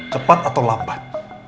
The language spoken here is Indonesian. cepat atau lambat